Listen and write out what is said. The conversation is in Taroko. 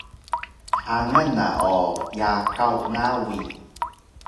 Hangan na o Yakaw Nawi